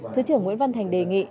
thứ trưởng nguyễn văn thành đề nghị